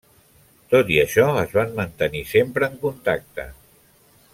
Tot i això, es van mantenir sempre en contacte.